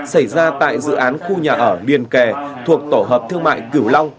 xảy ra tại dự án khu nhà ở liền kề thuộc tổ hợp thương mại cửu long